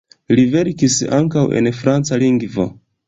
Li verkis ankaŭ en franca lingvo.